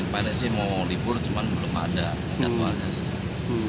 pns sih mau libur cuman belum ada jadwalnya sih